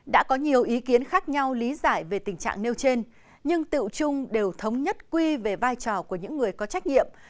đã có nhiều ý kiến khác nhau lý giải về tình trạng nêu trên nhưng tựu chung đều thống nhất quy về vai trò của những người có trách nhiệm